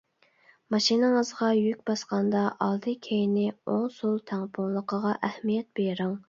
ماشىنىڭىزغا يۈك باسقاندا ئالدى-كەينى، ئوڭ-سول تەڭپۇڭلۇقىغا ئەھمىيەت بېرىڭ.